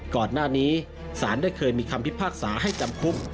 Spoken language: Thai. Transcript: ก่อนหน้านี้สารได้เคยมีคำพิพากษาให้จำคุก